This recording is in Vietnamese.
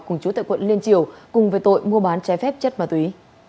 cùng chú tại quận liên triều cùng về tội mua bán trái phép chất ma túy